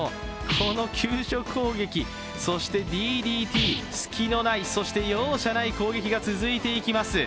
この急所攻撃、そしてＤＤＴ、隙のない、そして容赦ない攻撃が続いていきます。